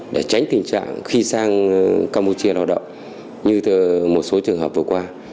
để tránh tình trạng khi sang campuchia lao động như một số trường hợp vừa qua